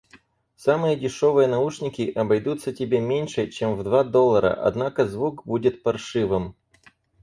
Самые дешёвые наушники обойдутся тебе меньше, чем в два доллара, однако звук будет паршивым.